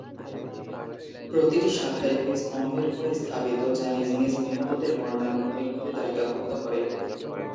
প্রতিটি শাখা একটি স্তম্ভের উপর স্থাপিত, যা নিজ নিজ নিহতদের বর্ণানুক্রমিকভাবে তালিকাভুক্ত করে।